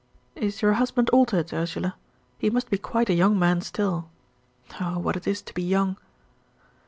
"Is your husband altered, Ursula? He must be quite a young man still. Oh, what it is to be young!"